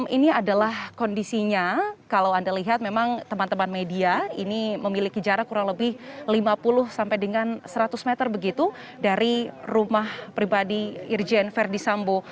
ini adalah kondisinya kalau anda lihat memang teman teman media ini memiliki jarak kurang lebih lima puluh sampai dengan seratus meter begitu dari rumah pribadi irjen verdi sambo